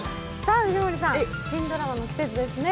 藤森さん、新ドラマの季節ですね。